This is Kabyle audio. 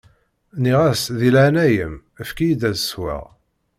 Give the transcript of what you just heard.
Nniɣ-as: Di leɛnaya-m, efk-iyi-d ad sweɣ.